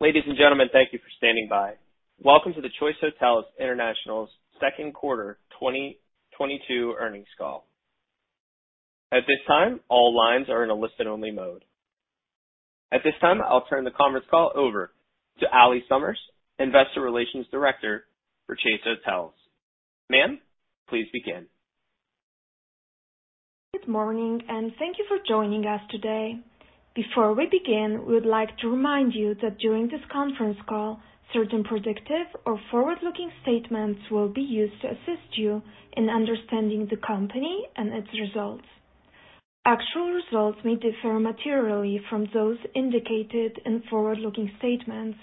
Ladies and gentlemen, thank you for standing by. Welcome to the Choice Hotels International's Second Quarter 2022 Earnings Call. At this time, all lines are in a listen-only mode. At this time, I'll turn the conference call over to Allie Summers, Investor Relations Director for Choice Hotels. Ma'am, please begin. Good morning, and thank you for joining us today. Before we begin, we would like to remind you that during this conference call, certain predictive or forward-looking statements will be used to assist you in understanding the company and its results. Actual results may differ materially from those indicated in forward-looking statements,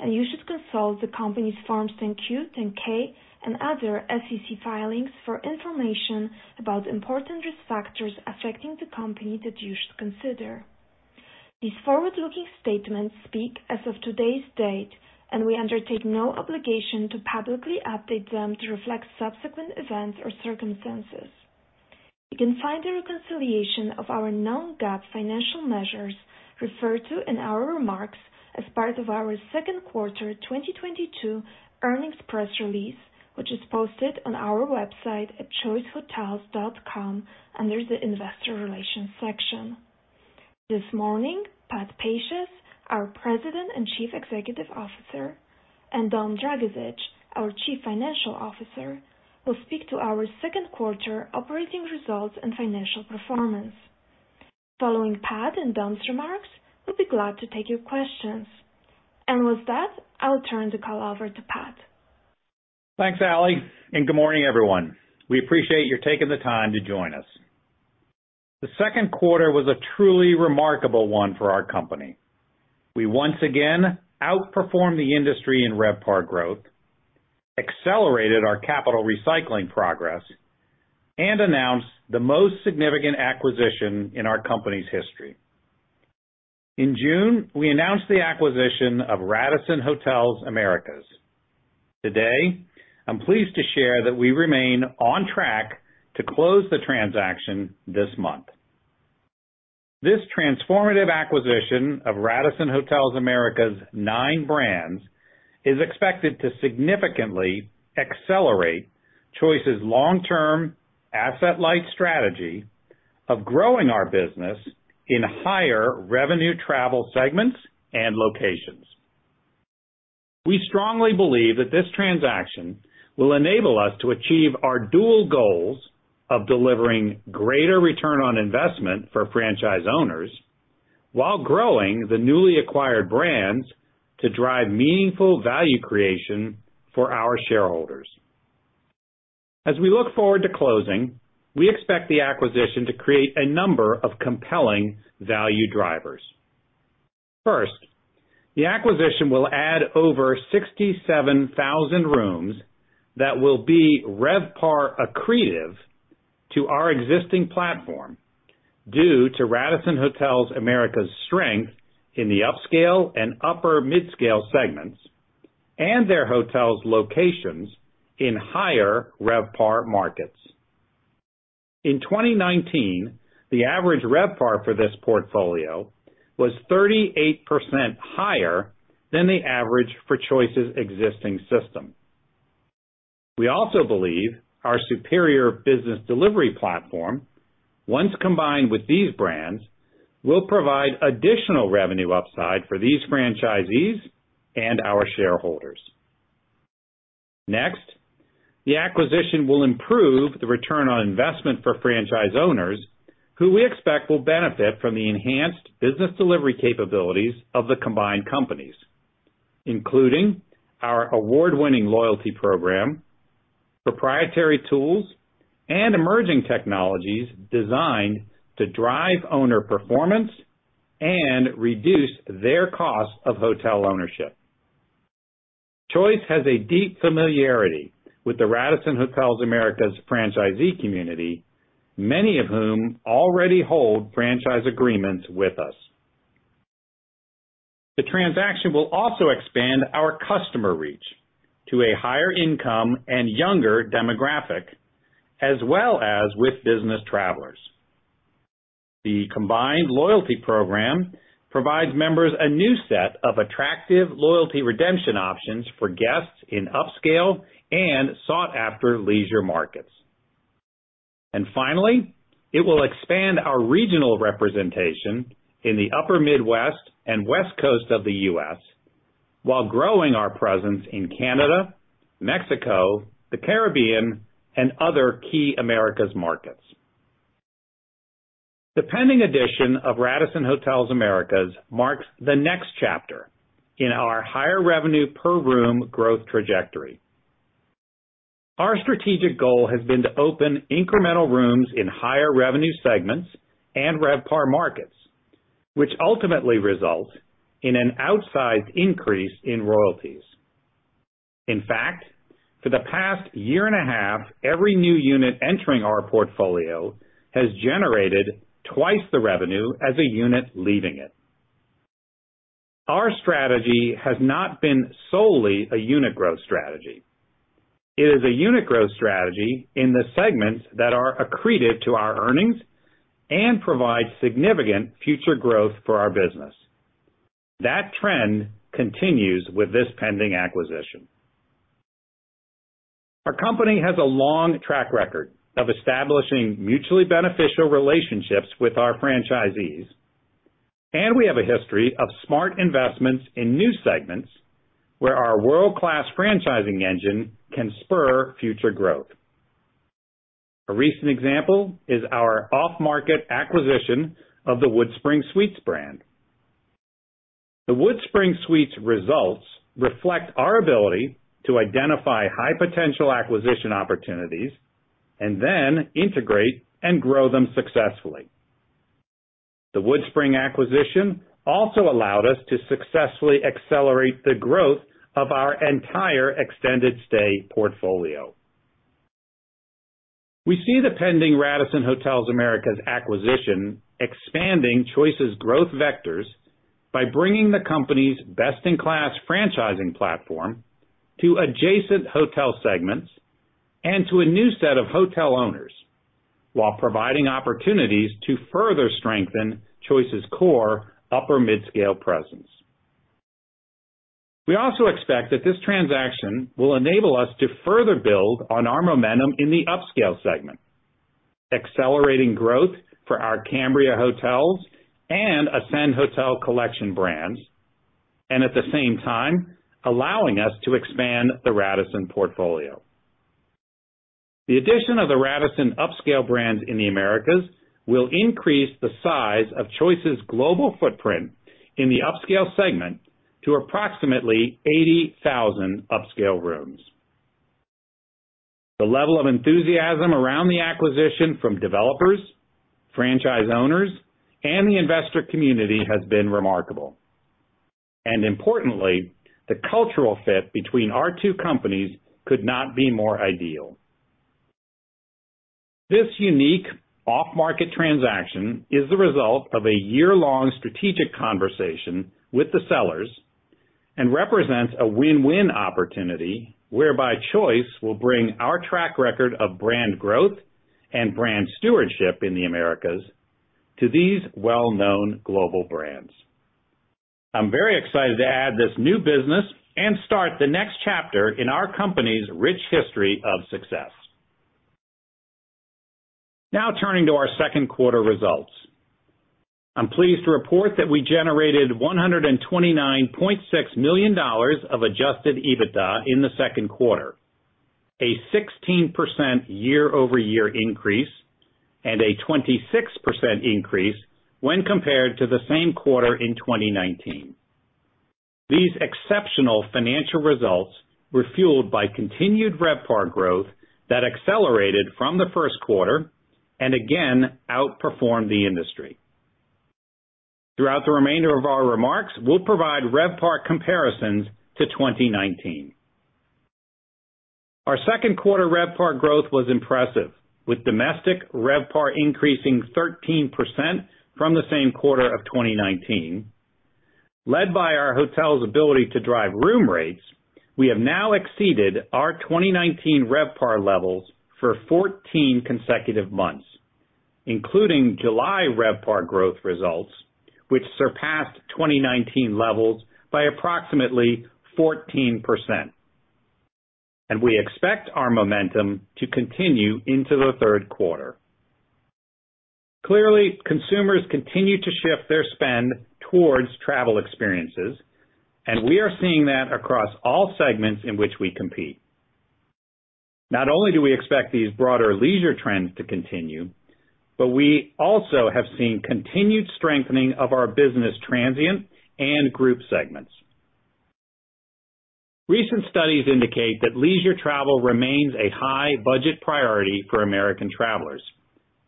and you should consult the company's Form 10-Q, Form 10-K and other SEC filings for information about important risk factors affecting the company that you should consider. These forward-looking statements speak as of today's date, and we undertake no obligation to publicly update them to reflect subsequent events or circumstances. You can find the reconciliation of our non-GAAP financial measures referred to in our remarks as part of our second quarter 2022 earnings press release, which is posted on our website at choicehotels.com under the investor relations section. This morning, Pat Pacious, our President and Chief Executive Officer, and Dominic Dragisich, our Chief Financial Officer, will speak to our second quarter operating results and financial performance. Following Pat and Dom's remarks, we'll be glad to take your questions. With that, I'll turn the call over to Pat. Thanks, Allie, and good morning, everyone. We appreciate you taking the time to join us. The second quarter was a truly remarkable one for our company. We once again outperformed the industry in RevPAR growth, accelerated our capital recycling progress, and announced the most significant acquisition in our company's history. In June, we announced the acquisition of Radisson Hotels Americas. Today, I'm pleased to share that we remain on track to close the transaction this month. This transformative acquisition of Radisson Hotels Americas' nine brands is expected to significantly accelerate Choice's long-term asset-light strategy of growing our business in higher revenue travel segments and locations. We strongly believe that this transaction will enable us to achieve our dual goals of delivering greater return on investment for franchise owners while growing the newly acquired brands to drive meaningful value creation for our shareholders. As we look forward to closing, we expect the acquisition to create a number of compelling value drivers. First, the acquisition will add over 67,000 rooms that will be RevPAR accretive to our existing platform due to Radisson Hotels Americas' strength in the upscale and upper midscale segments and their hotels' locations in higher RevPAR markets. In 2019, the average RevPAR for this portfolio was 38% higher than the average for Choice's existing system. We also believe our superior business delivery platform, once combined with these brands, will provide additional revenue upside for these franchisees and our shareholders. Next, the acquisition will improve the return on investment for franchise owners, who we expect will benefit from the enhanced business delivery capabilities of the combined companies, including our award-winning loyalty program, proprietary tools, and emerging technologies designed to drive owner performance and reduce their cost of hotel ownership. Choice has a deep familiarity with the Radisson Hotels Americas franchisee community, many of whom already hold franchise agreements with us. The transaction will also expand our customer reach to a higher income and younger demographic, as well as with business travelers. The combined loyalty program provides members a new set of attractive loyalty redemption options for guests in upscale and sought-after leisure markets. It will expand our regional representation in the upper Midwest and West Coast of the U.S. while growing our presence in Canada, Mexico, the Caribbean, and other key Americas markets. The pending addition of Radisson Hotels Americas marks the next chapter in our higher revenue per room growth trajectory. Our strategic goal has been to open incremental rooms in higher revenue segments and RevPAR markets, which ultimately result in an outsized increase in royalties. In fact, for the past year and a half, every new unit entering our portfolio has generated twice the revenue as a unit leaving it. Our strategy has not been solely a unit growth strategy. It is a unit growth strategy in the segments that are accreted to our earnings and provide significant future growth for our business. That trend continues with this pending acquisition. Our company has a long track record of establishing mutually beneficial relationships with our franchisees, and we have a history of smart investments in new segments where our world-class franchising engine can spur future growth. A recent example is our off-market acquisition of the WoodSpring Suites brand. The WoodSpring Suites results reflect our ability to identify high potential acquisition opportunities and then integrate and grow them successfully. The WoodSpring acquisition also allowed us to successfully accelerate the growth of our entire extended stay portfolio. We see the pending Radisson Hotels Americas acquisition expanding Choice's growth vectors by bringing the company's best-in-class franchising platform to adjacent hotel segments and to a new set of hotel owners, while providing opportunities to further strengthen Choice's core upper midscale presence. We also expect that this transaction will enable us to further build on our momentum in the upscale segment, accelerating growth for our Cambria Hotels and Ascend Hotel Collection brands, and at the same time allowing us to expand the Radisson portfolio. The addition of the Radisson upscale brand in the Americas will increase the size of Choice's global footprint in the upscale segment to approximately 80,000 upscale rooms. The level of enthusiasm around the acquisition from developers, franchise owners, and the investor community has been remarkable. Importantly, the cultural fit between our two companies could not be more ideal. This unique off-market transaction is the result of a year-long strategic conversation with the sellers and represents a win-win opportunity whereby Choice will bring our track record of brand growth and brand stewardship in the Americas to these well-known global brands. I'm very excited to add this new business and start the next chapter in our company's rich history of success. Now turning to our second quarter results. I'm pleased to report that we generated $129.6 million of adjusted EBITDA in the second quarter, a 16% year-over-year increase, and a 26% increase when compared to the same quarter in 2019. These exceptional financial results were fueled by continued RevPAR growth that accelerated from the first quarter and again outperformed the industry. Throughout the remainder of our remarks, we'll provide RevPAR comparisons to 2019. Our second quarter RevPAR growth was impressive, with domestic RevPAR increasing 13% from the same quarter of 2019. Led by our hotel's ability to drive room rates, we have now exceeded our 2019 RevPAR levels for 14 consecutive months, including July RevPAR growth results, which surpassed 2019 levels by approximately 14%. We expect our momentum to continue into the third quarter. Clearly, consumers continue to shift their spend towards travel experiences, and we are seeing that across all segments in which we compete. Not only do we expect these broader leisure trends to continue, but we also have seen continued strengthening of our business transient and group segments. Recent studies indicate that leisure travel remains a high budget priority for American travelers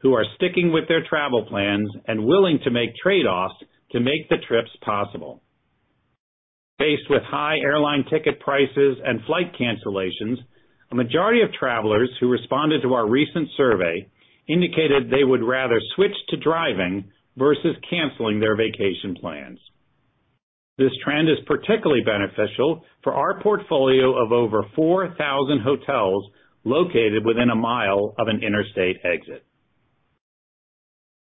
who are sticking with their travel plans and willing to make trade-offs to make the trips possible. Faced with high airline ticket prices and flight cancellations, a majority of travelers who responded to our recent survey indicated they would rather switch to driving versus canceling their vacation plans. This trend is particularly beneficial for our portfolio of over 4,000 hotels located within a mile of an interstate exit.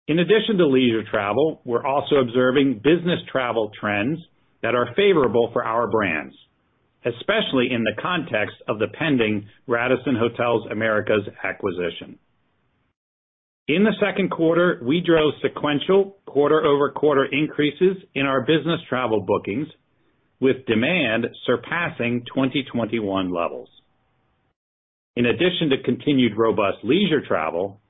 In addition to leisure travel, we're also observing business travel trends that are favorable for our brands, especially in the context of the pending Radisson Hotels Americas acquisition. In the second quarter, we drove sequential quarter-over-quarter increases in our business travel bookings, with demand surpassing 2021 levels. In addition to continued robust leisure travel,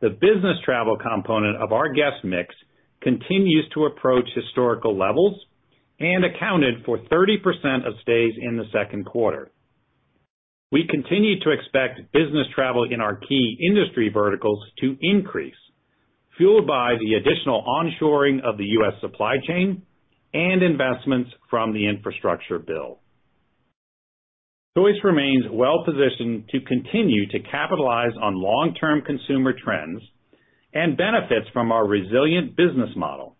the business travel component of our guest mix continues to approach historical levels and accounted for 30% of stays in the second quarter. We continue to expect business travel in our key industry verticals to increase, fueled by the additional onshoring of the U.S. supply chain and investments from the infrastructure bill. Choice remains well positioned to continue to capitalize on long-term consumer trends and benefits from our resilient business model,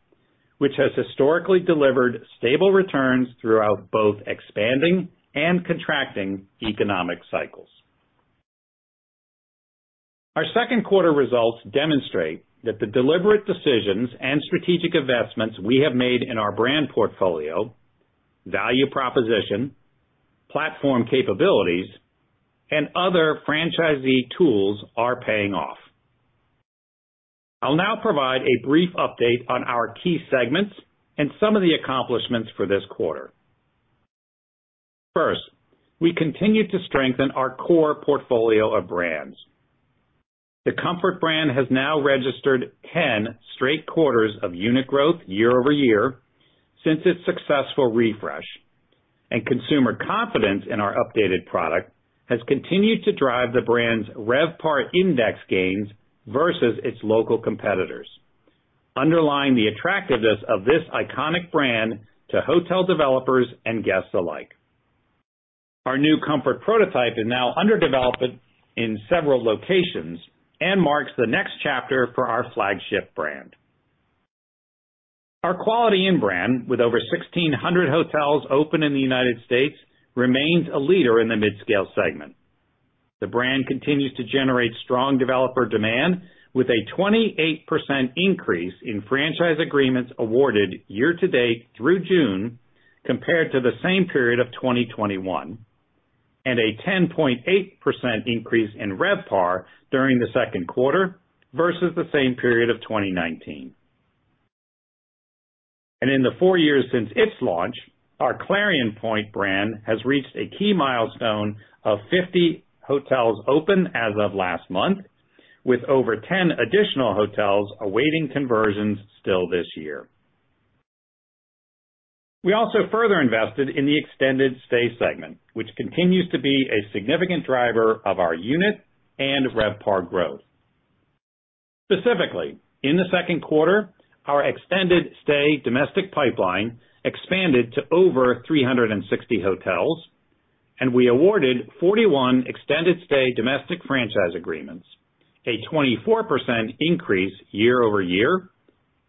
which has historically delivered stable returns throughout both expanding and contracting economic cycles. Our second quarter results demonstrate that the deliberate decisions and strategic investments we have made in our brand portfolio, value proposition, platform capabilities, and other franchisee tools are paying off. I'll now provide a brief update on our key segments and some of the accomplishments for this quarter. First, we continue to strengthen our core portfolio of brands. The Comfort brand has now registered 10 straight quarters of unit growth year-over-year since its successful refresh. Consumer confidence in our updated product has continued to drive the brand's RevPAR index gains versus its local competitors, underlying the attractiveness of this iconic brand to hotel developers and guests alike. Our new Comfort prototype is now under development in several locations and marks the next chapter for our flagship brand. Our Quality Inn brand, with over 1,600 hotels open in the United States, remains a leader in the midscale segment. The brand continues to generate strong developer demand with a 28% increase in franchise agreements awarded year to date through June compared to the same period of 2021, and a 10.8% increase in RevPAR during the second quarter versus the same period of 2019. In the four years since its launch, our Clarion Pointe brand has reached a key milestone of 50 hotels open as of last month, with over 10 additional hotels awaiting conversions still this year. We also further invested in the extended stay segment, which continues to be a significant driver of our unit and RevPAR growth. Specifically, in the second quarter, our extended stay domestic pipeline expanded to over 360 hotels, and we awarded 41 extended stay domestic franchise agreements, a 24% increase year-over-year,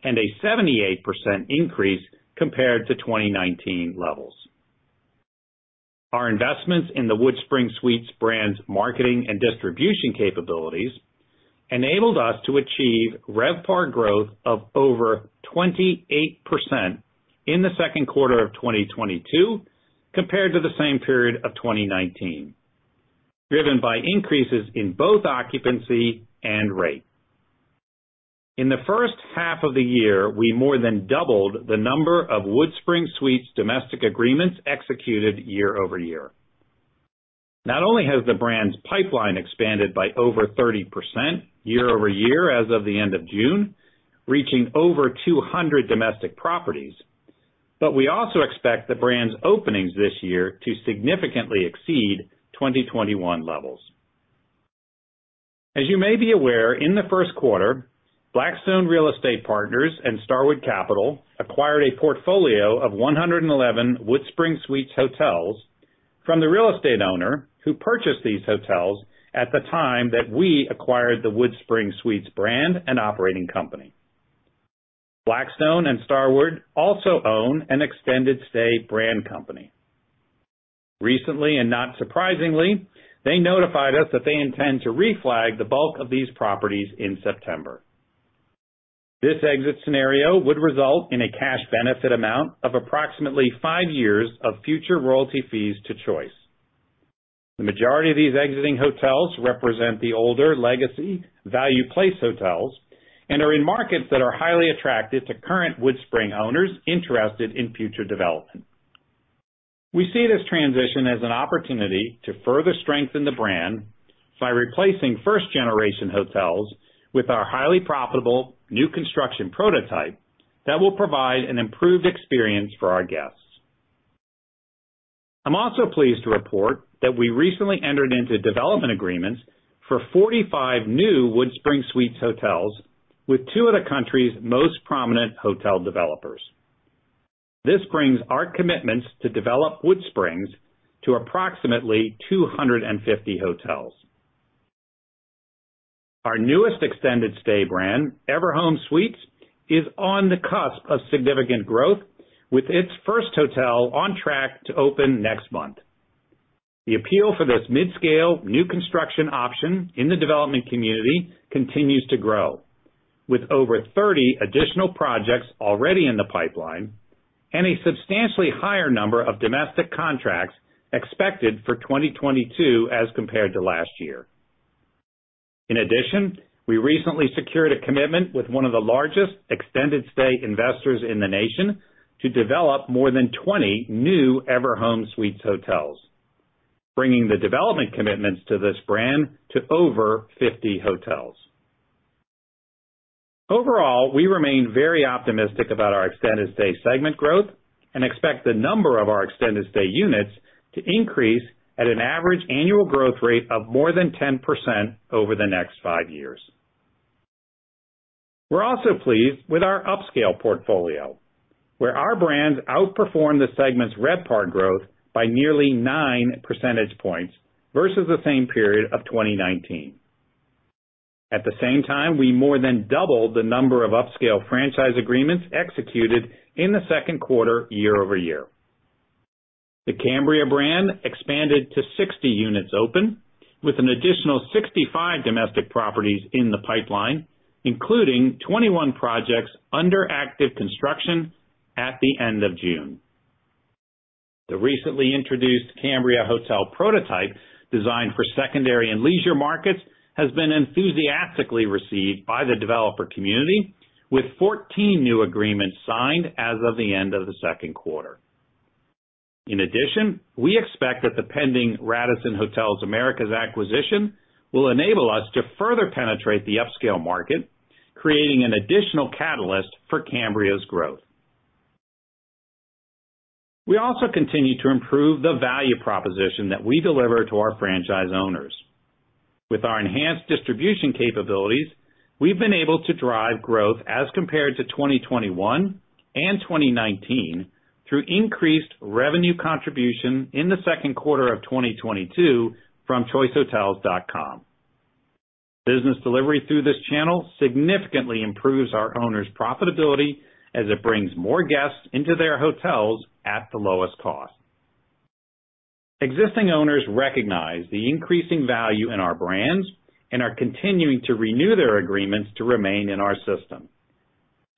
and a 78% increase compared to 2019 levels. Our investments in the WoodSpring Suites brand's marketing and distribution capabilities enabled us to achieve RevPAR growth of over 28% in the second quarter of 2022 compared to the same period of 2019, driven by increases in both occupancy and rate. In the first half of the year, we more than doubled the number of WoodSpring Suites domestic agreements executed year-over-year. Not only has the brand's pipeline expanded by over 30% year-over-year as of the end of June, reaching over 200 domestic properties, but we also expect the brand's openings this year to significantly exceed 2021 levels. As you may be aware, in the first quarter, Blackstone Real Estate Partners and Starwood Capital acquired a portfolio of 111 WoodSpring Suites hotels from the real estate owner who purchased these hotels at the time that we acquired the WoodSpring Suites brand and operating company. Blackstone and Starwood also own an extended stay brand company. Recently, and not surprisingly, they notified us that they intend to reflag the bulk of these properties in September. This exit scenario would result in a cash benefit amount of approximately five years of future royalty fees to Choice. The majority of these exiting hotels represent the older legacy Value Place hotels and are in markets that are highly attractive to current WoodSpring owners interested in future development. We see this transition as an opportunity to further strengthen the brand by replacing first-generation hotels with our highly profitable new construction prototype that will provide an improved experience for our guests. I'm also pleased to report that we recently entered into development agreements for 45 new WoodSpring Suites hotels with two of the country's most prominent hotel developers. This brings our commitments to develop WoodSpring Suites to approximately 250 hotels. Our newest extended stay brand, Everhome Suites, is on the cusp of significant growth, with its first hotel on track to open next month. The appeal for this midscale new construction option in the development community continues to grow, with over 30 additional projects already in the pipeline and a substantially higher number of domestic contracts expected for 2022 as compared to last year. In addition, we recently secured a commitment with one of the largest extended stay investors in the nation to develop more than 20 new Everhome Suites hotels, bringing the development commitments to this brand to over 50 hotels. Overall, we remain very optimistic about our extended stay segment growth and expect the number of our extended stay units to increase at an average annual growth rate of more than 10% over the next five years. We're also pleased with our upscale portfolio, where our brands outperformed the segment's RevPAR growth by nearly 9 percentage points versus the same period of 2019. At the same time, we more than doubled the number of upscale franchise agreements executed in the second quarter year-over-year. The Cambria brand expanded to 60 units open with an additional 65 domestic properties in the pipeline, including 21 projects under active construction at the end of June. The recently introduced Cambria Hotel prototype, designed for secondary and leisure markets, has been enthusiastically received by the developer community, with 14 new agreements signed as of the end of the second quarter. In addition, we expect that the pending Radisson Hotels Americas acquisition will enable us to further penetrate the upscale market, creating an additional catalyst for Cambria's growth. We also continue to improve the value proposition that we deliver to our franchise owners. With our enhanced distribution capabilities, we've been able to drive growth as compared to 2021 and 2019 through increased revenue contribution in the second quarter of 2022 from choicehotels.com. Business delivery through this channel significantly improves our owners' profitability as it brings more guests into their hotels at the lowest cost. Existing owners recognize the increasing value in our brands and are continuing to renew their agreements to remain in our system.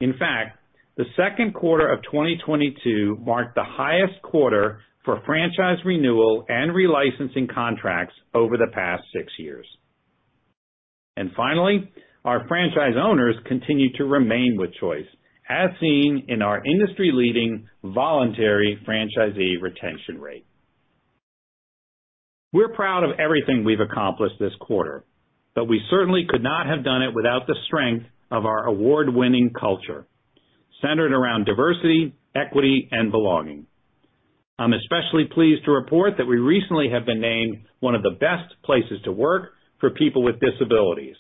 In fact, the second quarter of 2022 marked the highest quarter for franchise renewal and relicensing contracts over the past 6 years. Finally, our franchise owners continue to remain with Choice, as seen in our industry-leading voluntary franchisee retention rate. We're proud of everything we've accomplished this quarter, but we certainly could not have done it without the strength of our award-winning culture, centered around diversity, equity, and belonging. I'm especially pleased to report that we recently have been named one of the best places to work for people with disabilities,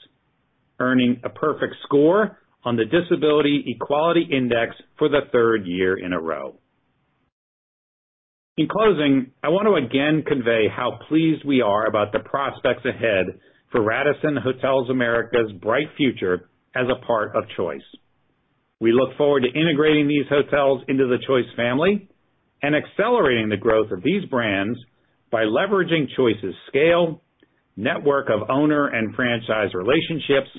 earning a perfect score on the Disability Equality Index for the third year in a row. In closing, I want to again convey how pleased we are about the prospects ahead for Radisson Hotels Americas' bright future as a part of Choice. We look forward to integrating these hotels into the Choice family and accelerating the growth of these brands by leveraging Choice's scale, network of owner and franchise relationships,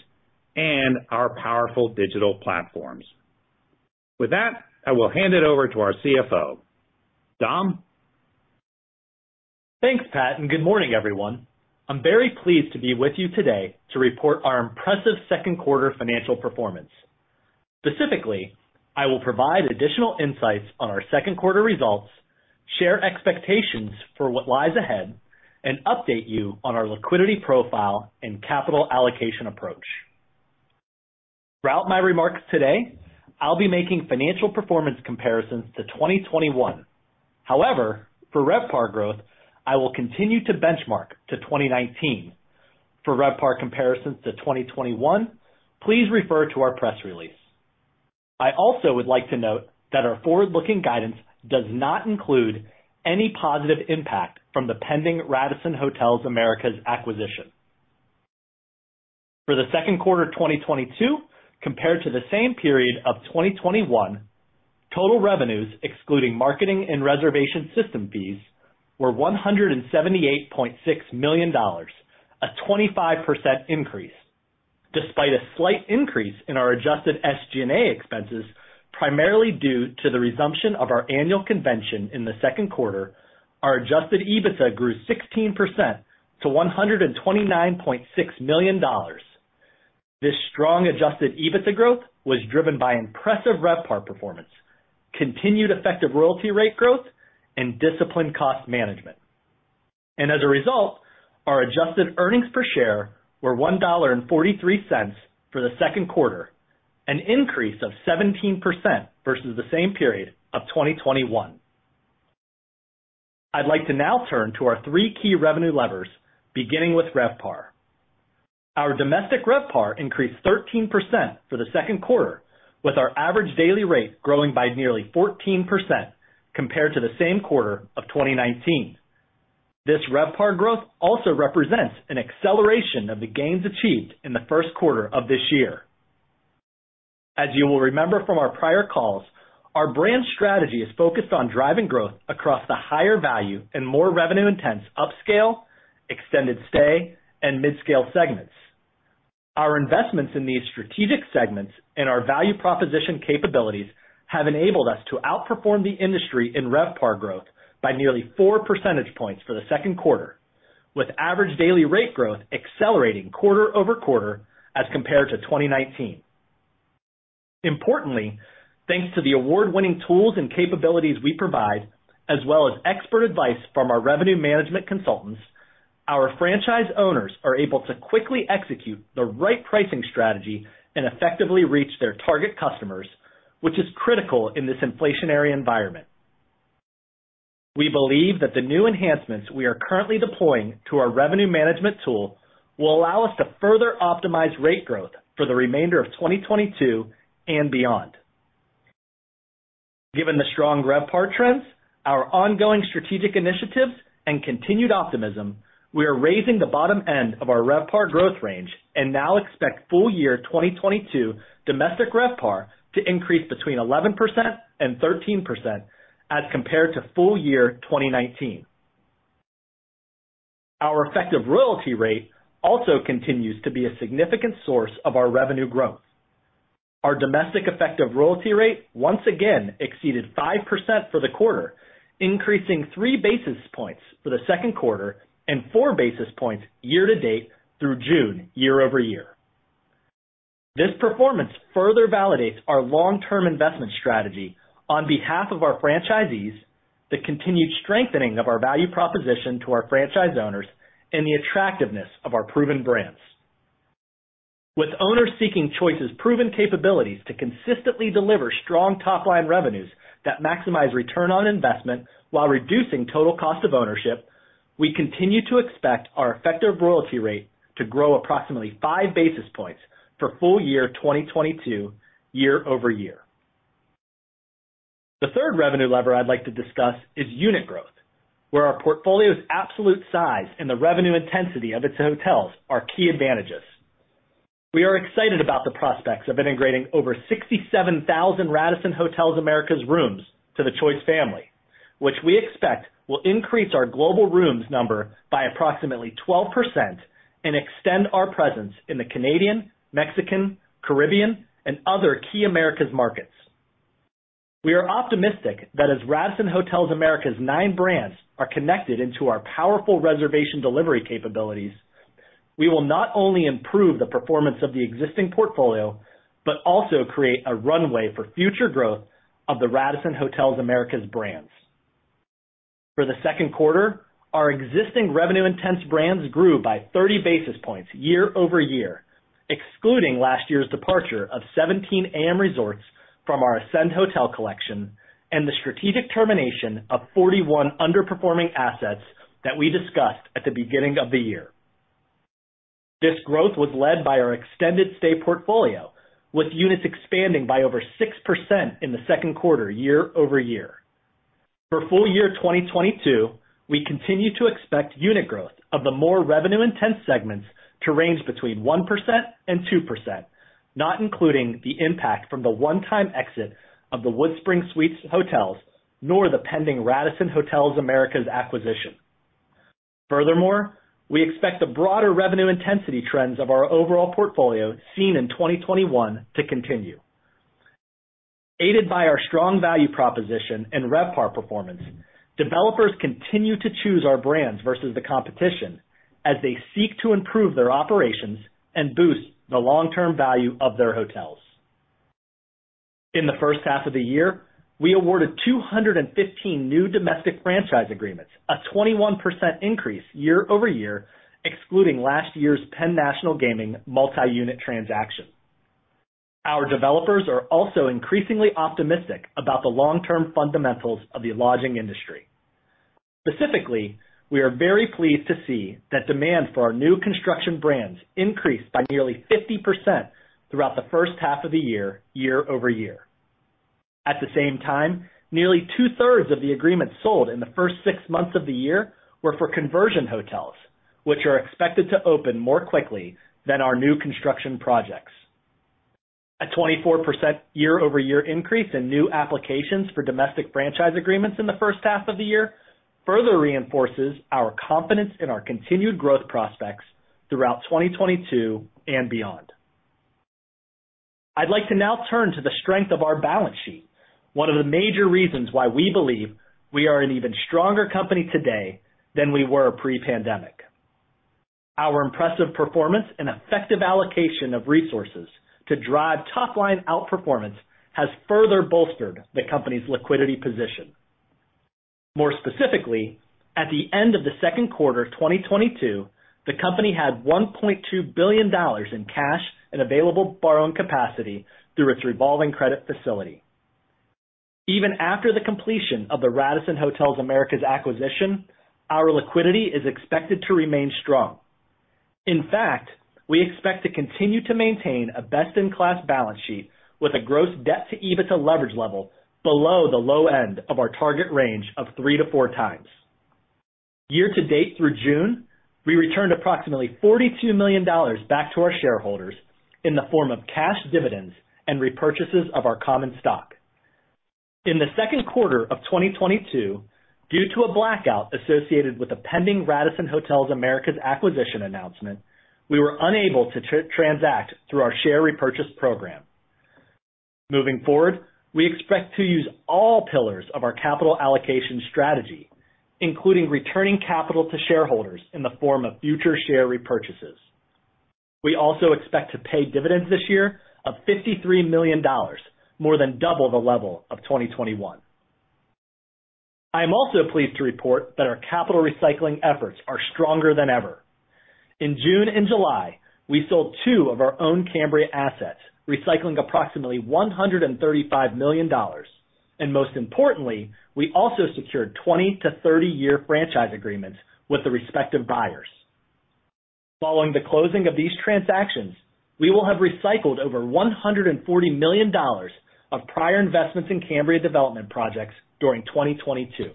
and our powerful digital platforms. With that, I will hand it over to our CFO. Dom? Thanks, Pat, and good morning, everyone. I'm very pleased to be with you today to report our impressive second quarter financial performance. Specifically, I will provide additional insights on our second quarter results, share expectations for what lies ahead, and update you on our liquidity profile and capital allocation approach. Throughout my remarks today, I'll be making financial performance comparisons to 2021. However, for RevPAR growth, I will continue to benchmark to 2019. For RevPAR comparisons to 2021, please refer to our press release. I also would like to note that our forward-looking guidance does not include any positive impact from the pending Radisson Hotels Americas acquisition. For the second quarter 2022, compared to the same period of 2021, total revenues, excluding marketing and reservation system fees, were $178.6 million, a 25% increase. Despite a slight increase in our adjusted SG&A expenses, primarily due to the resumption of our annual convention in the second quarter, our adjusted EBITDA grew 16% to $129.6 million. This strong adjusted EBITDA growth was driven by impressive RevPAR performance, continued effective royalty rate growth, and disciplined cost management. As a result, our adjusted earnings per share were $1.43 for the second quarter, an increase of 17% versus the same period of 2021. I'd like to now turn to our three key revenue levers, beginning with RevPAR. Our domestic RevPAR increased 13% for the second quarter, with our average daily rate growing by nearly 14% compared to the same quarter of 2019. This RevPAR growth also represents an acceleration of the gains achieved in the first quarter of this year. As you will remember from our prior calls, our brand strategy is focused on driving growth across the higher value and more revenue-intense upscale, extended stay, and midscale segments. Our investments in these strategic segments and our value proposition capabilities have enabled us to outperform the industry in RevPAR growth by nearly 4 percentage points for the second quarter, with average daily rate growth accelerating quarter-over-quarter as compared to 2019. Importantly, thanks to the award-winning tools and capabilities we provide, as well as expert advice from our revenue management consultants, our franchise owners are able to quickly execute the right pricing strategy and effectively reach their target customers, which is critical in this inflationary environment. We believe that the new enhancements we are currently deploying to our revenue management tool will allow us to further optimize rate growth for the remainder of 2022 and beyond. Given the strong RevPAR trends, our ongoing strategic initiatives, and continued optimism, we are raising the bottom end of our RevPAR growth range and now expect full year 2022 domestic RevPAR to increase between 11% and 13% as compared to full year 2019. Our effective royalty rate also continues to be a significant source of our revenue growth. Our domestic effective royalty rate once again exceeded 5% for the quarter, increasing 3 basis points for the second quarter and 4 basis points year to date through June year-over-year. This performance further validates our long-term investment strategy on behalf of our franchisees, the continued strengthening of our value proposition to our franchise owners, and the attractiveness of our proven brands. With owners seeking Choice's proven capabilities to consistently deliver strong top-line revenues that maximize return on investment while reducing total cost of ownership, we continue to expect our effective royalty rate to grow approximately 5 basis points for full year 2022 year-over-year. The third revenue lever I'd like to discuss is unit growth, where our portfolio's absolute size and the revenue intensity of its hotels are key advantages. We are excited about the prospects of integrating over 67,000 Radisson Hotels Americas rooms to the Choice family, which we expect will increase our global rooms number by approximately 12% and extend our presence in the Canadian, Mexican, Caribbean, and other key Americas markets. We are optimistic that as Radisson Hotels Americas nine brands are connected into our powerful reservation delivery capabilities, we will not only improve the performance of the existing portfolio, but also create a runway for future growth of the Radisson Hotels Americas brands. For the second quarter, our existing revenue-intensive brands grew by 30 basis points year-over-year, excluding last year's departure of 17 AMResorts from our Ascend Hotel Collection and the strategic termination of 41 underperforming assets that we discussed at the beginning of the year. This growth was led by our extended stay portfolio, with units expanding by over 6% in the second quarter year-over-year. For full year 2022, we continue to expect unit growth of the more revenue intense segments to range between 1% and 2%, not including the impact from the one-time exit of the WoodSpring Suites, nor the pending Radisson Hotels Americas acquisition. Furthermore, we expect the broader revenue intensity trends of our overall portfolio seen in 2021 to continue. Aided by our strong value proposition and RevPAR performance, developers continue to choose our brands versus the competition as they seek to improve their operations and boost the long-term value of their hotels. In the first half of the year, we awarded 215 new domestic franchise agreements, a 21% increase year-over-year, excluding last year's Penn National Gaming multi-unit transaction. Our developers are also increasingly optimistic about the long-term fundamentals of the lodging industry. Specifically, we are very pleased to see that demand for our new construction brands increased by nearly 50% throughout the first half of the year-over-year. At the same time, nearly two-thirds of the agreements sold in the first six months of the year were for conversion hotels, which are expected to open more quickly than our new construction projects. A 24% year-over-year increase in new applications for domestic franchise agreements in the first half of the year further reinforces our confidence in our continued growth prospects throughout 2022 and beyond. I'd like to now turn to the strength of our balance sheet, one of the major reasons why we believe we are an even stronger company today than we were pre-pandemic. Our impressive performance and effective allocation of resources to drive top-line outperformance has further bolstered the company's liquidity position. More specifically, at the end of the second quarter of 2022, the company had $1.2 billion in cash and available borrowing capacity through its revolving credit facility. Even after the completion of the Radisson Hotels Americas acquisition, our liquidity is expected to remain strong. In fact, we expect to continue to maintain a best-in-class balance sheet with a gross debt-to-EBITDA leverage level below the low end of our target range of 3-4 times. Year to date through June, we returned approximately $42 million back to our shareholders in the form of cash dividends and repurchases of our common stock. In the second quarter of 2022, due to a blackout associated with the pending Radisson Hotels Americas acquisition announcement, we were unable to transact through our share repurchase program. Moving forward, we expect to use all pillars of our capital allocation strategy, including returning capital to shareholders in the form of future share repurchases. We also expect to pay dividends this year of $53 million, more than double the level of 2021. I am also pleased to report that our capital recycling efforts are stronger than ever. In June and July, we sold two of our own Cambria assets, recycling approximately $135 million. Most importantly, we also secured 20- to 30-year franchise agreements with the respective buyers. Following the closing of these transactions, we will have recycled over $140 million of prior investments in Cambria development projects during 2022.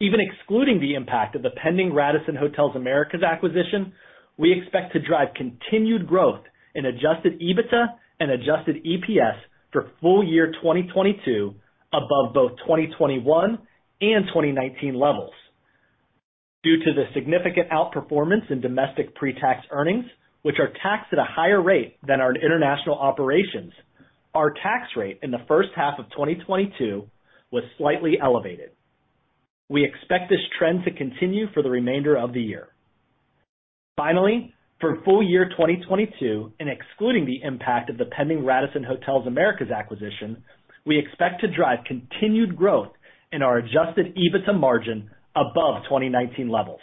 Even excluding the impact of the pending Radisson Hotels Americas acquisition, we expect to drive continued growth in adjusted EBITDA and adjusted EPS for full year 2022 above both 2021 and 2019 levels. Due to the significant outperformance in domestic pre-tax earnings, which are taxed at a higher rate than our international operations, our tax rate in the first half of 2022 was slightly elevated. We expect this trend to continue for the remainder of the year. Finally, for full year 2022, and excluding the impact of the pending Radisson Hotels Americas acquisition, we expect to drive continued growth in our adjusted EBITDA margin above 2019 levels.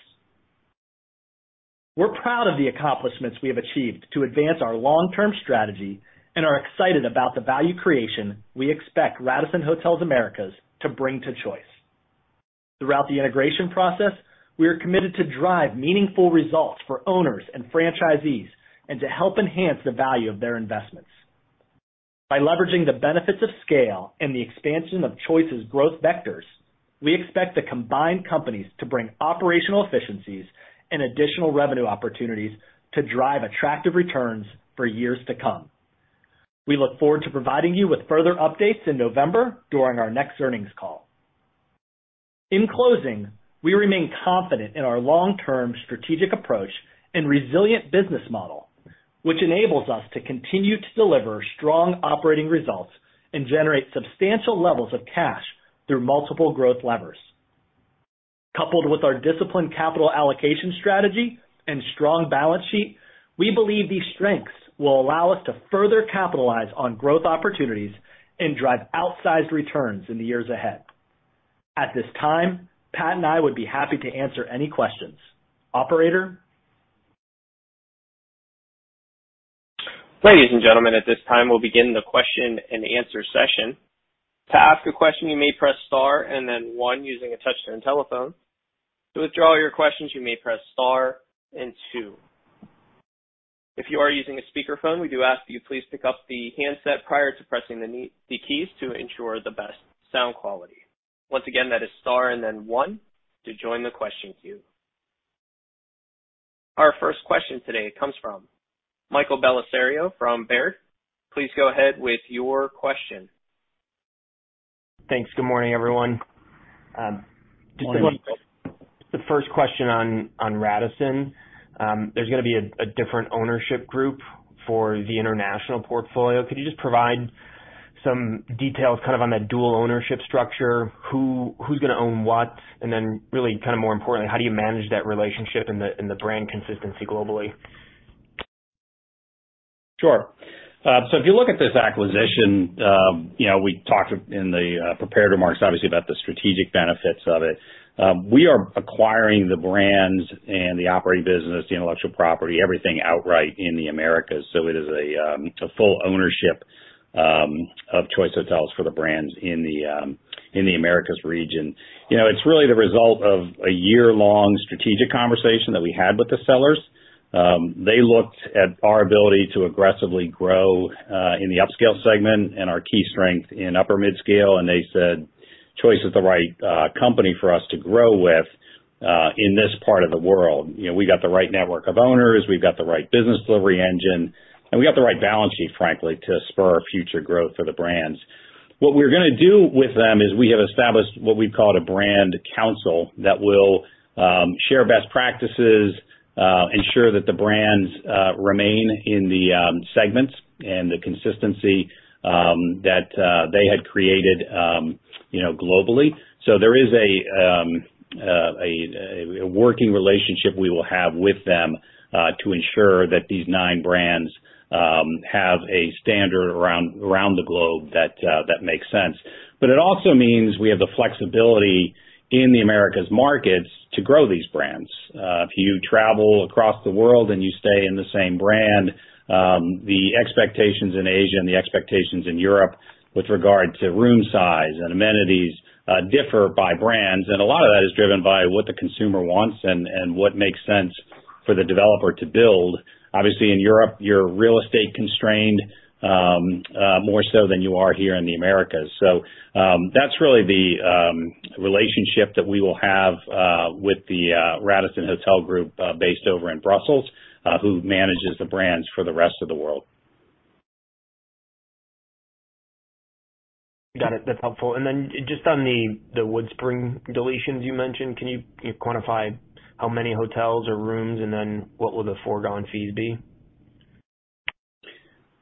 We're proud of the accomplishments we have achieved to advance our long-term strategy and are excited about the value creation we expect Radisson Hotels Americas to bring to Choice. Throughout the integration process, we are committed to drive meaningful results for owners and franchisees and to help enhance the value of their investments. By leveraging the benefits of scale and the expansion of Choice's growth vectors, we expect the combined companies to bring operational efficiencies and additional revenue opportunities to drive attractive returns for years to come. We look forward to providing you with further updates in November during our next earnings call. In closing, we remain confident in our long-term strategic approach and resilient business model, which enables us to continue to deliver strong operating results and generate substantial levels of cash through multiple growth levers. Coupled with our disciplined capital allocation strategy and strong balance sheet, we believe these strengths will allow us to further capitalize on growth opportunities and drive outsized returns in the years ahead. At this time, Pat and I would be happy to answer any questions. Operator? Ladies and gentlemen, at this time, we'll begin the question-and-answer session. To ask a question, you may press star and then one using a touch-tone telephone. To withdraw your questions, you may press star and two. If you are using a speakerphone, we do ask that you please pick up the handset prior to pressing the keys to ensure the best sound quality. Once again, that is star and then one to join the question queue. Our first question today comes from Michael Bellisario from Baird. Please go ahead with your question. Thanks. Good morning, everyone. Just the first question on Radisson. There's gonna be a different ownership group for the international portfolio. Could you just provide some details kind of on that dual ownership structure? Who, who's gonna own what? Really kind of more importantly, how do you manage that relationship and the brand consistency globally? Sure. If you look at this acquisition, you know, we talked in the prepared remarks, obviously, about the strategic benefits of it. We are acquiring the brands and the operating business, the intellectual property, everything outright in the Americas. It is a full ownership of Choice Hotels for the brands in the Americas region. You know, it's really the result of a year-long strategic conversation that we had with the sellers. They looked at our ability to aggressively grow in the upscale segment and our key strength in upper mid-scale, and they said Choice is the right company for us to grow with in this part of the world. You know, we got the right network of owners, we've got the right business delivery engine, and we got the right balance sheet, frankly, to spur future growth for the brands. What we're gonna do with them is we have established what we call a brand council that will share best practices, ensure that the brands remain in the segments and the consistency that they had created, you know, globally. There is a working relationship we will have with them to ensure that these nine brands have a standard around the globe that makes sense. It also means we have the flexibility in the Americas markets to grow these brands. If you travel across the world and you stay in the same brand, the expectations in Asia and the expectations in Europe with regard to room size and amenities differ by brands. A lot of that is driven by what the consumer wants and what makes sense for the developer to build. Obviously, in Europe, you're real estate constrained, more so than you are here in the Americas. That's really the relationship that we will have with the Radisson Hotel Group, based over in Brussels, who manages the brands for the rest of the world. Got it. That's helpful. Just on the WoodSpring deletions you mentioned, can you quantify how many hotels or rooms and then what will the foregone fees be?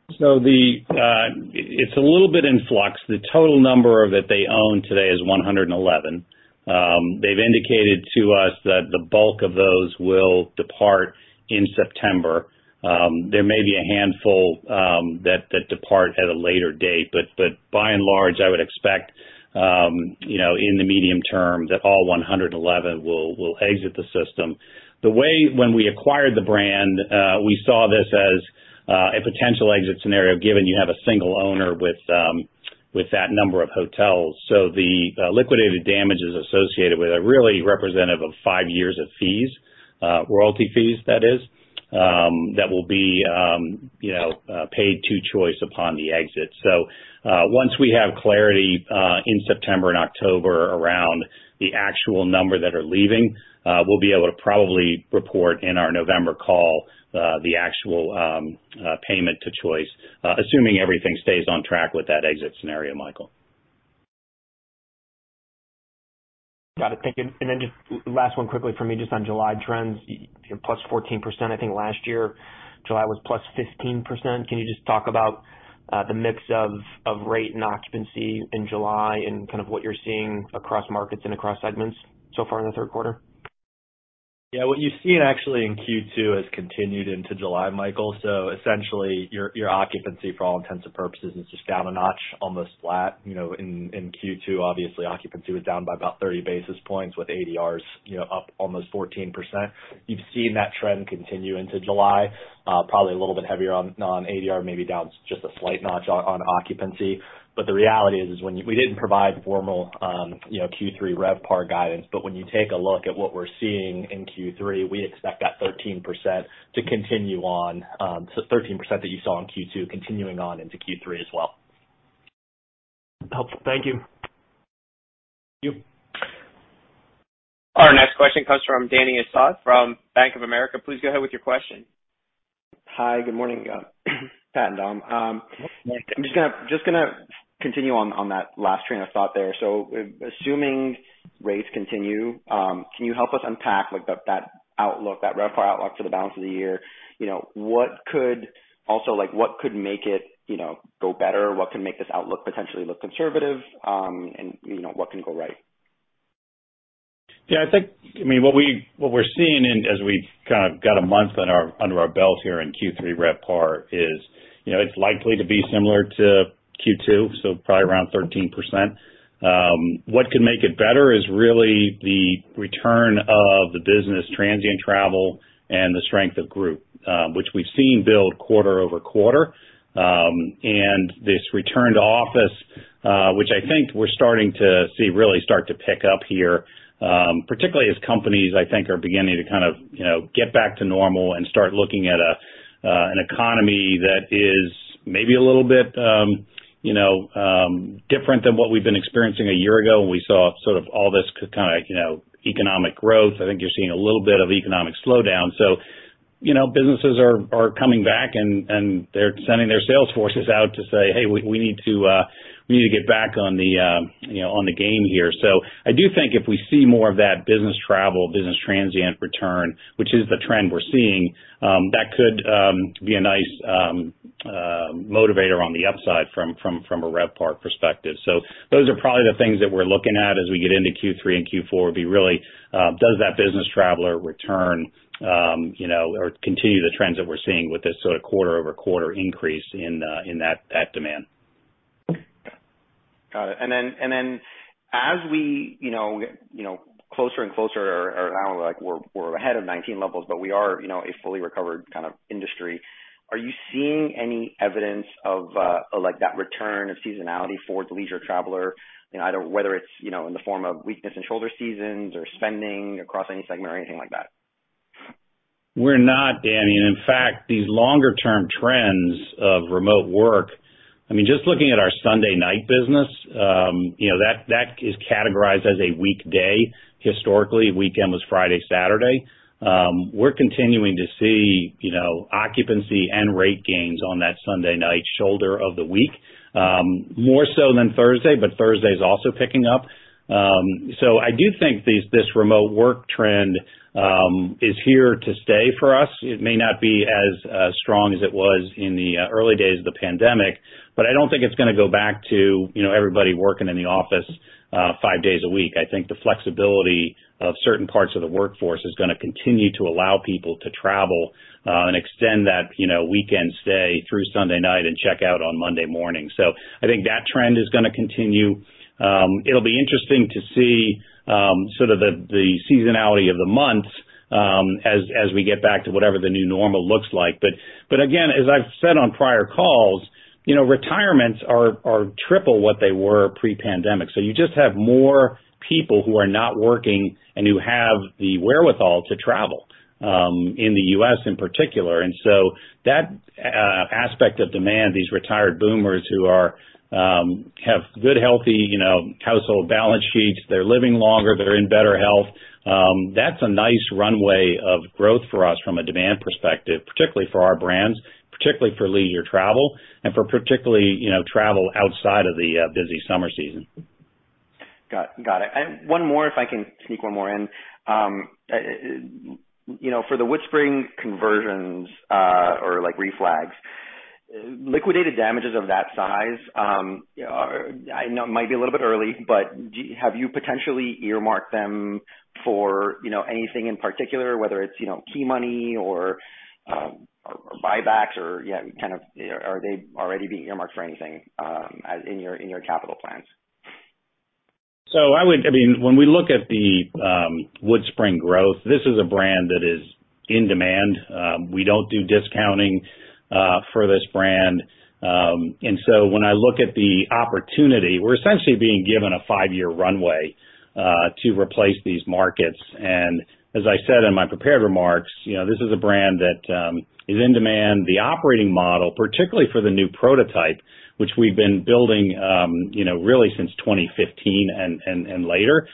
It's a little bit in flux. The total number that they own today is 111. They've indicated to us that the bulk of those will depart in September. There may be a handful that depart at a later date, but by and large, I would expect, you know, in the medium term that all 111 will exit the system. The way when we acquired the brand, we saw this as a potential exit scenario given you have a single owner with that number of hotels. The liquidated damages associated with it are really representative of five years of fees, royalty fees that is, that will be, you know, paid to Choice upon the exit. Once we have clarity in September and October around the actual number that are leaving, we'll be able to probably report in our November call the actual payment to Choice, assuming everything stays on track with that exit scenario, Michael. Got it. Thank you. Just last one quickly for me, just on July trends. You know, +14%, I think last year July was +15%. Can you just talk about the mix of rate and occupancy in July and kind of what you're seeing across markets and across segments so far in the third quarter? Yeah. What you've seen actually in Q2 has continued into July, Michael. Essentially your occupancy for all intents and purposes is just down a notch, almost flat. You know, in Q2, obviously occupancy was down by about 30 basis points with ADRs, you know, up almost 14%. You've seen that trend continue into July, probably a little bit heavier on ADR, maybe down just a slight notch on occupancy. The reality is when we didn't provide formal Q3 RevPAR guidance, but when you take a look at what we're seeing in Q3, we expect that 13% to continue on, so 13% that you saw in Q2 continuing on into Q3 as well. Helpful. Thank you. Thank you. Our next question comes from Dany Asad from Bank of America. Please go ahead with your question. Hi, good morning, Pat and Dom. I'm just gonna continue on that last train of thought there. Assuming rates continue, can you help us unpack that outlook, that RevPAR outlook for the balance of the year? You know, what could also make it go better? What could make this outlook potentially look conservative? You know, what can go right? Yeah, I think, I mean, what we're seeing and as we've kind of got a month under our belt here in Q3 RevPAR is, you know, it's likely to be similar to Q2, so probably around 13%. What could make it better is really the return of the business transient travel and the strength of group, which we've seen build quarter-over-quarter. This return to office, which I think we're starting to see really start to pick up here, particularly as companies I think are beginning to kind of, you know, get back to normal and start looking at an economy that is maybe a little bit, you know, different than what we've been experiencing a year ago when we saw sort of all this kind of, you know, economic growth. I think you're seeing a little bit of economic slowdown. You know, businesses are coming back and they're sending their sales forces out to say, "Hey, we need to get back in the game here." I do think if we see more of that business travel, business transient return, which is the trend we're seeing, that could be a nice motivator on the upside from a RevPAR perspective. Those are probably the things that we're looking at as we get into Q3 and Q4. Would be really, does that business traveler return, you know, or continue the trends that we're seeing with this sort of quarter-over-quarter increase in that demand. Got it. As we you know closer and closer or I don't know like we're ahead of 2019 levels but we are you know a fully recovered kind of industry are you seeing any evidence of like that return of seasonality for the leisure traveler you know either whether it's you know in the form of weakness in shoulder seasons or spending across any segment or anything like that? We're not, Danny. In fact, these longer term trends of remote work, I mean, just looking at our Sunday night business, you know, that is categorized as a weekday. Historically, weekend was Friday, Saturday. We're continuing to see, you know, occupancy and rate gains on that Sunday night shoulder of the week, more so than Thursday, but Thursday's also picking up. I do think this remote work trend is here to stay for us. It may not be as strong as it was in the early days of the pandemic, but I don't think it's gonna go back to, you know, everybody working in the office, five days a week. I think the flexibility of certain parts of the workforce is gonna continue to allow people to travel, and extend that, you know, weekend stay through Sunday night and check out on Monday morning. I think that trend is gonna continue. It'll be interesting to see sort of the seasonality of the months as we get back to whatever the new normal looks like. Again, as I've said on prior calls, you know, retirements are triple what they were pre-pandemic. You just have more people who are not working and who have the wherewithal to travel in the U.S. in particular. That aspect of demand, these retired boomers who have good, healthy, you know, household balance sheets, they're living longer, they're in better health, that's a nice runway of growth for us from a demand perspective, particularly for our brands, for leisure travel, and for, you know, travel outside of the busy summer season. Got it. One more if I can sneak one more in. You know, for the WoodSpring conversions, or like reflags, liquidated damages of that size. I know it might be a little bit early, but have you potentially earmarked them for, you know, anything in particular, whether it's, you know, key money or buybacks or yeah, kind of, are they already being earmarked for anything, as in your capital plans? I mean, when we look at the WoodSpring growth, this is a brand that is in demand. We don't do discounting for this brand. When I look at the opportunity, we're essentially being given a five-year runway to replace these markets. As I said in my prepared remarks, you know, this is a brand that is in demand. The operating model, particularly for the new prototype, which we've been building, you know, really since 2015 and later,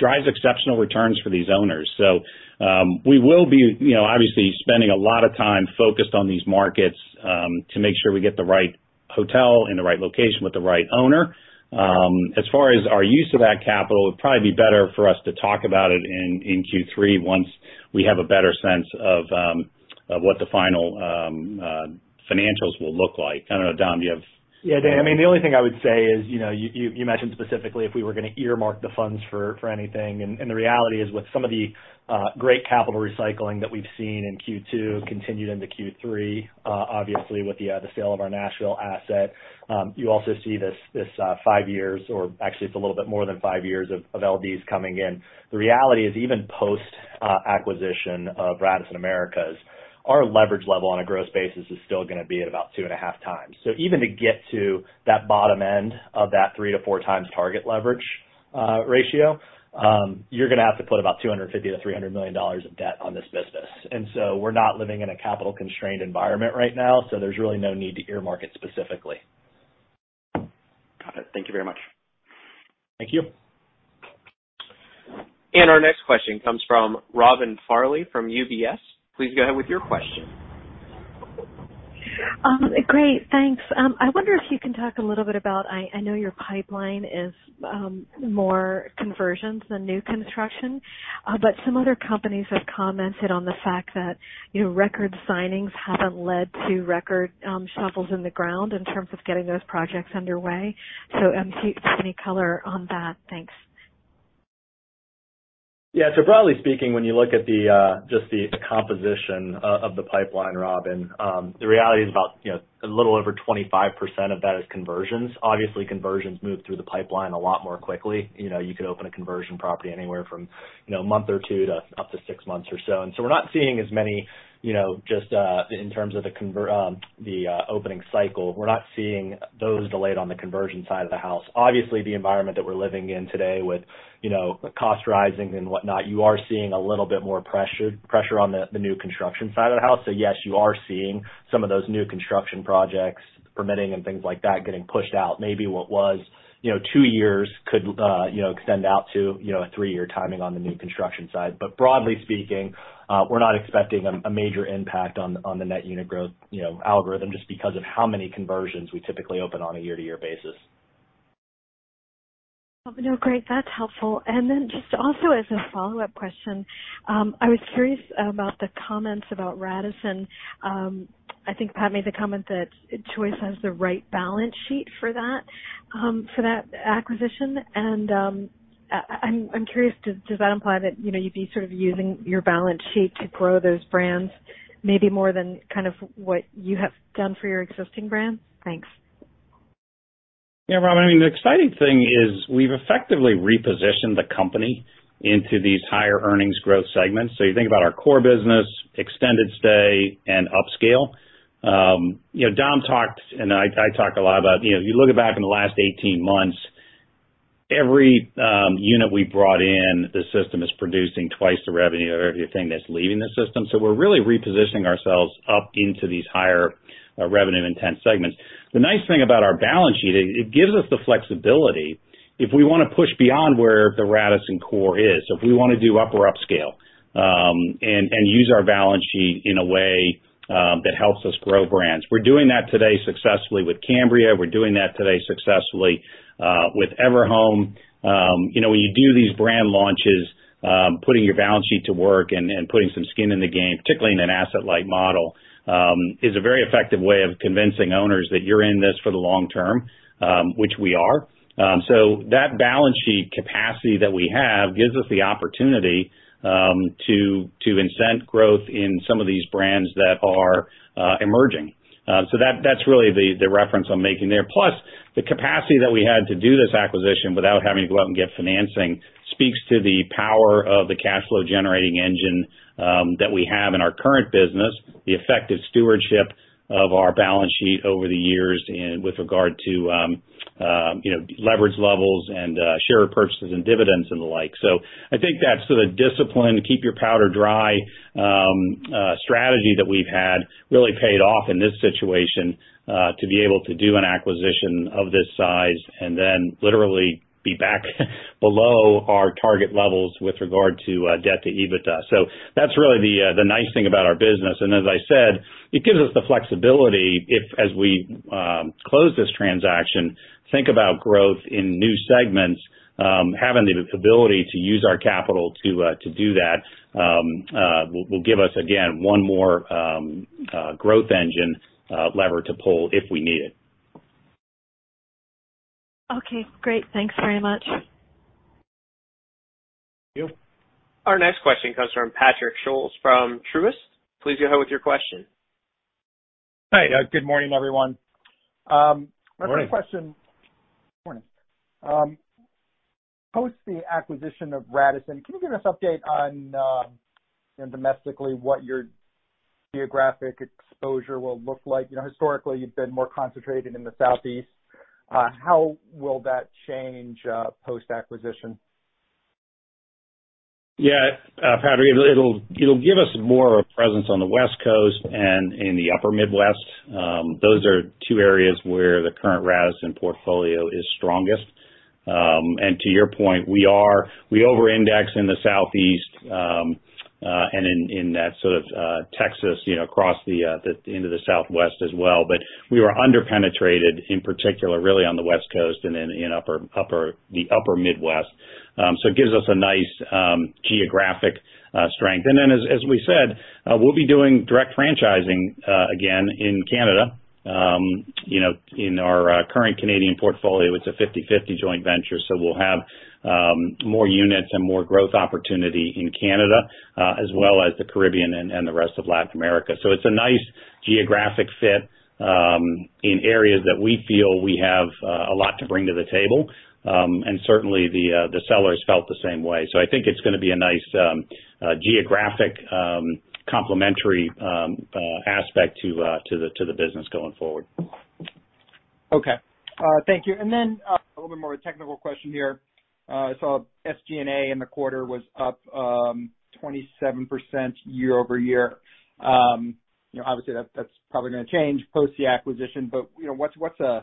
drives exceptional returns for these owners. We will be, you know, obviously spending a lot of time focused on these markets to make sure we get the right hotel in the right location with the right owner. As far as our use of that capital, it'd probably be better for us to talk about it in Q3 once we have a better sense of what the final financials will look like. I don't know, Dom, do you have... Yeah. I mean, the only thing I would say is, you know, you mentioned specifically if we were gonna earmark the funds for anything. The reality is with some of the great capital recycling that we've seen in Q2 continued into Q3, obviously with the sale of our Nashville asset, you also see this five years, or actually it's a little bit more than five years of LDs coming in. The reality is even post acquisition of Radisson Hotels Americas, our leverage level on a gross basis is still gonna be at about 2.5 times. Even to get to that bottom end of that 3-4 times target leverage ratio, you're gonna have to put about $250 million-$300 million of debt on this business. We're not living in a capital constrained environment right now, so there's really no need to earmark it specifically. Got it. Thank you very much. Thank you. Our next question comes from Robin Farley from UBS. Please go ahead with your question. Great. Thanks. I wonder if you can talk a little bit about, I know your pipeline is more conversions than new construction, but some other companies have commented on the fact that, you know, record signings haven't led to record shovels in the ground in terms of getting those projects underway. If you have any color on that. Thanks. Yeah. Broadly speaking, when you look at just the composition of the pipeline, Robin, the reality is about, you know, a little over 25% of that is conversions. Obviously, conversions move through the pipeline a lot more quickly. You know, you could open a conversion property anywhere from, you know, a month or 2 to up to 6 months or so. We're not seeing as many, you know, just in terms of the opening cycle. We're not seeing those delayed on the conversion side of the house. Obviously, the environment that we're living in today with, you know, costs rising and whatnot, you are seeing a little bit more pressure on the new construction side of the house. Yes, you are seeing some of those new construction projects permitting and things like that getting pushed out. Maybe what was, you know, 2 years could, you know, extend out to, you know, a 3-year timing on the new construction side. Broadly speaking, we're not expecting a major impact on the net unit growth, you know, algorithm just because of how many conversions we typically open on a year-to-year basis. No, great. That's helpful. Then just also as a follow-up question, I was curious about the comments about Radisson. I think Pat made the comment that Choice has the right balance sheet for that, for that acquisition. I'm curious, does that imply that, you know, you'd be sort of using your balance sheet to grow those brands maybe more than kind of what you have done for your existing brands? Thanks. Yeah, Robin, I mean, the exciting thing is we've effectively repositioned the company into these higher earnings growth segments. You think about our core business, extended stay, and upscale. You know, Dom talked, and I talk a lot about, you know, if you look back in the last 18 months, every unit we brought in the system is producing twice the revenue of everything that's leaving the system. We're really repositioning ourselves up into these higher revenue intense segments. The nice thing about our balance sheet, it gives us the flexibility if we wanna push beyond where the Radisson core is. If we wanna do upper upscale and use our balance sheet in a way that helps us grow brands. We're doing that today successfully with Cambria. We're doing that today successfully with Everhome. You know, when you do these brand launches, putting your balance sheet to work and putting some skin in the game, particularly in an asset-light model, is a very effective way of convincing owners that you're in this for the long term, which we are. That balance sheet capacity that we have gives us the opportunity to incent growth in some of these brands that are emerging. That's really the reference I'm making there. Plus, the capacity that we had to do this acquisition without having to go out and get financing speaks to the power of the cash flow generating engine that we have in our current business, the effective stewardship of our balance sheet over the years and with regard to you know, leverage levels and share purchases and dividends and the like. I think that sort of discipline, keep your powder dry, strategy that we've had really paid off in this situation to be able to do an acquisition of this size and then literally be back below our target levels with regard to debt to EBITDA. That's really the nice thing about our business. As I said, it gives us the flexibility if as we close this transaction, think about growth in new segments, having the ability to use our capital to do that, will give us, again, one more growth engine lever to pull if we need it. Okay, great. Thanks very much. Thank you. Our next question comes from Patrick Scholes from Truist. Please go ahead with your question. Hi. Good morning, everyone. Good morning. My first question. Morning. Post the acquisition of Radisson, can you give us an update on, you know, domestically, what your geographic exposure will look like? You know, historically, you've been more concentrated in the Southeast. How will that change, post-acquisition? Yeah. Patrick, it'll give us more of a presence on the West Coast and in the upper Midwest. Those are two areas where the current Radisson portfolio is strongest. To your point, we over-index in the southeast, and in that sort of Texas, you know, across the into the southwest as well. We were under-penetrated, in particular, really on the West Coast and then in the upper Midwest. It gives us a nice geographic strength. As we said, we'll be doing direct franchising again in Canada. You know, in our current Canadian portfolio, it's a 50/50 joint venture, so we'll have more units and more growth opportunity in Canada, as well as the Caribbean and the rest of Latin America. It's a nice geographic fit in areas that we feel we have a lot to bring to the table. Certainly the sellers felt the same way. I think it's gonna be a nice geographic complementary aspect to the business going forward. Okay. Thank you. A little bit more of a technical question here. I saw SG&A in the quarter was up 27% year-over-year. You know, obviously that's probably gonna change post the acquisition, but you know, what's a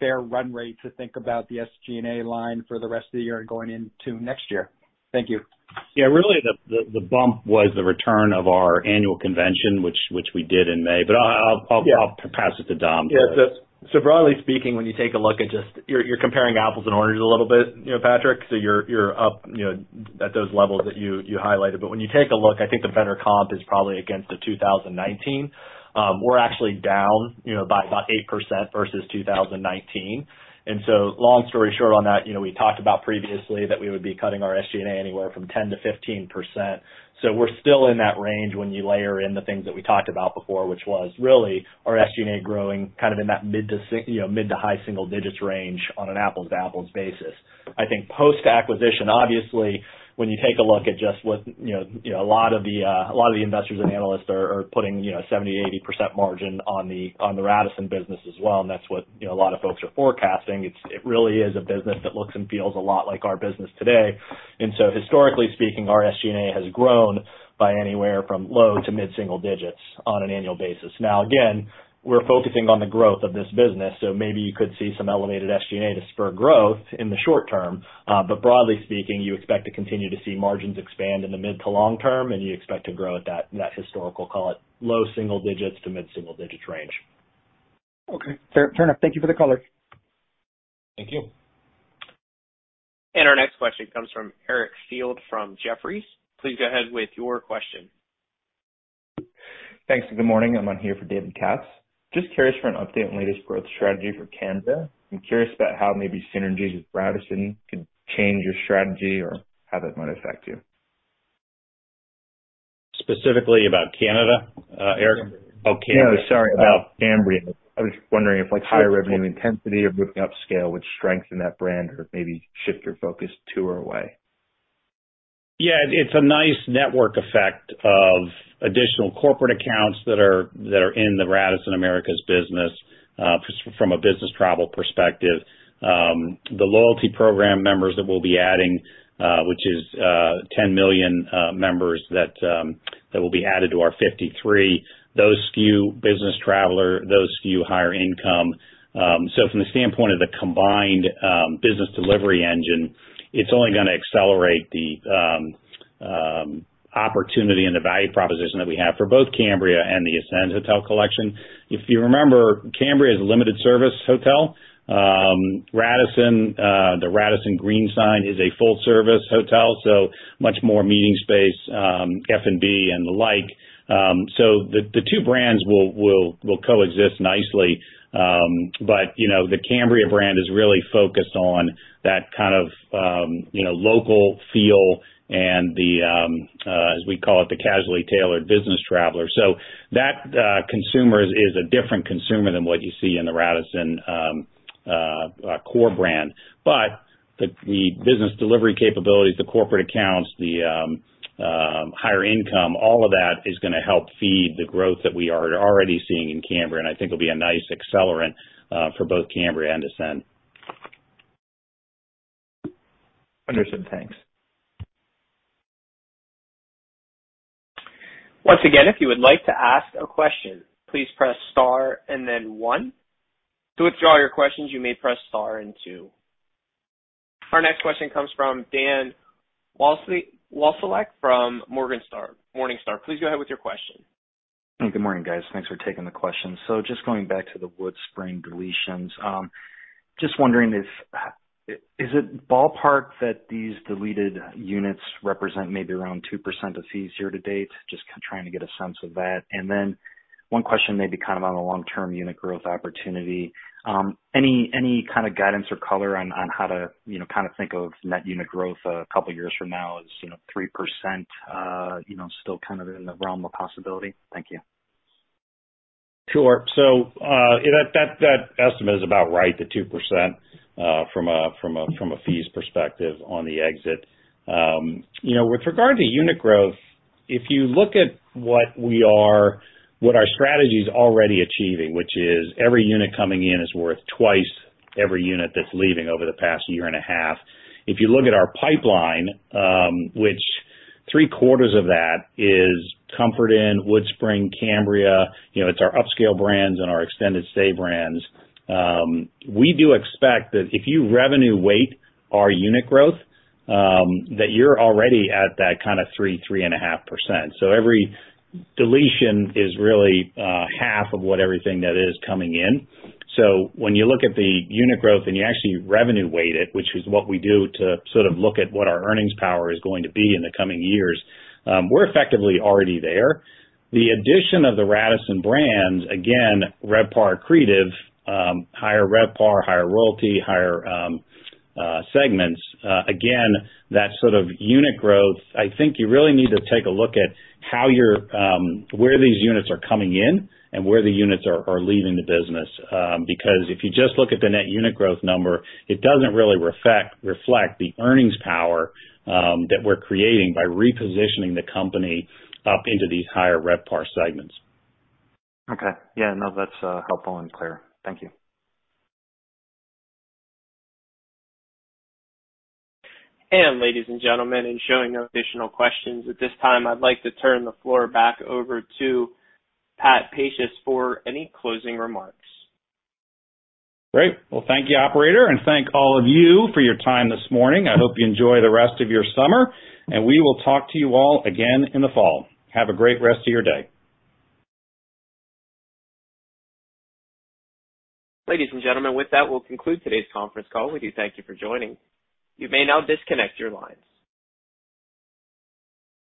fair run rate to think about the SG&A line for the rest of the year and going into next year? Thank you. Yeah, really the bump was the return of our annual convention, which we did in May. I'll- Yeah. I'll pass it to Dom. Yeah. Broadly speaking, when you take a look at just you're comparing apples and oranges a little bit, you know, Patrick, so you're up, you know, at those levels that you highlighted. When you take a look, I think the better comp is probably against 2019. We're actually down, you know, by about 8% versus 2019. Long story short on that, you know, we talked about previously that we would be cutting our SG&A anywhere from 10%-15%. We're still in that range when you layer in the things that we talked about before, which was really our SG&A growing kind of in that mid- to high-single-digits range on an apples-to-apples basis. I think post-acquisition, obviously, when you take a look at just what, you know, a lot of the investors and analysts are putting, you know, 70%-80% margin on the Radisson business as well, and that's what, you know, a lot of folks are forecasting. It really is a business that looks and feels a lot like our business today. Historically speaking, our SG&A has grown by anywhere from low- to mid-single digits on an annual basis. Now, again, we're focusing on the growth of this business, so maybe you could see some elevated SG&A to spur growth in the short term. Broadly speaking, you expect to continue to see margins expand in the mid- to long-term, and you expect to grow at that historical, call it low single digits to mid single digits range. Okay. Fair enough. Thank you for the color. Thank you. Our next question comes from Eric Field from Jefferies. Please go ahead with your question. Thanks, good morning. I'm on here for David Katz. Just curious for an update on latest growth strategy for Canada. I'm curious about how maybe synergies with Radisson could change your strategy or how that might affect you. Specifically about Canada, Eric? Oh, Canada, sorry, about Cambria. I was wondering if like higher revenue intensity of moving upscale would strengthen that brand or maybe shift your focus to or away. Yeah. It's a nice network effect of additional corporate accounts that are in the Radisson Americas business from a business travel perspective. The loyalty program members that we'll be adding, which is 10 million members that will be added to our 53, those skew business traveler, those skew higher income. From the standpoint of the combined business delivery engine, it's only gonna accelerate the opportunity and the value proposition that we have for both Cambria and the Ascend Hotel Collection. If you remember, Cambria is a limited service hotel. Radisson, the Radisson green sign is a full service hotel, so much more meeting space, F&B and the like. The two brands will coexist nicely. You know, the Cambria brand is really focused on that kind of, you know, local feel and the, as we call it, the casually tailored business traveler. That consumer is a different consumer than what you see in the Radisson core brand. The business delivery capabilities, the corporate accounts, the higher income, all of that is gonna help feed the growth that we are already seeing in Cambria, and I think it'll be a nice accelerant for both Cambria and Ascend. Understood. Thanks. Once again, if you would like to ask a question, please press star and then one. To withdraw your questions, you may press star and two. Our next question comes from Dan Wasiolek from Morningstar. Please go ahead with your question. Good morning, guys. Thanks for taking the question. Just going back to the WoodSpring deletions, just wondering if it is ballpark that these deleted units represent maybe around 2% of fees year to date? Just trying to get a sense of that. Then one question maybe kind of on the long-term unit growth opportunity. Any kind of guidance or color on how to, you know, kind of think of net unit growth a couple of years from now is, you know, 3%, still kind of in the realm of possibility? Thank you. Sure. That estimate is about right to 2%, from a fees perspective on the exit. You know, with regard to unit growth, if you look at what our strategy is already achieving, which is every unit coming in is worth twice every unit that's leaving over the past year and a half. If you look at our pipeline, which three-quarters of that is Comfort Inn, WoodSpring, Cambria, you know, it's our upscale brands and our extended stay brands, we do expect that if you revenue weight our unit growth, that you're already at that kind of 3.5%. Every deletion is really half of what everything that is coming in. When you look at the unit growth and you actually revenue weight it, which is what we do to sort of look at what our earnings power is going to be in the coming years, we're effectively already there. The addition of the Radisson brands, again, RevPAR accretive, higher RevPAR, higher royalty, higher segments. Again, that sort of unit growth, I think you really need to take a look at how you're where these units are coming in and where the units are leaving the business, because if you just look at the net unit growth number, it doesn't really reflect the earnings power that we're creating by repositioning the company up into these higher RevPAR segments. Okay. Yeah, no, that's helpful and clear. Thank you. Ladies and gentlemen, in showing no additional questions at this time, I'd like to turn the floor back over to Pat Pacious for any closing remarks. Great. Well, thank you, operator. Thank all of you for your time this morning. I hope you enjoy the rest of your summer, and we will talk to you all again in the fall. Have a great rest of your day. Ladies and gentlemen, with that, we'll conclude today's conference call. We do thank you for joining. You may now disconnect your lines.